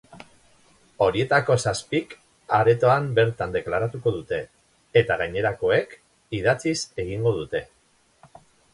Horietako zazpik aretoan bertan deklaratuko dute, eta gainerakoek idatziz egingo dute.